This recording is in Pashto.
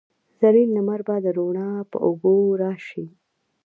زرین لمر به د روڼا په اوږو راشي